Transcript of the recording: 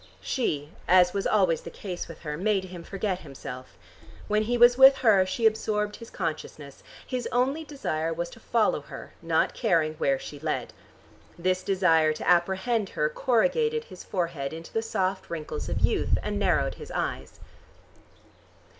She, as was always the case with her, made him forget himself. When he was with her, she absorbed his consciousness: his only desire was to follow her, not caring where she led. This desire to apprehend her corrugated his forehead into the soft wrinkles of youth, and narrowed his eyes.